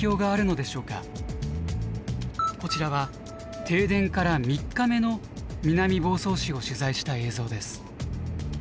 こちらは停電から３日目の南房総市を取材した映像です。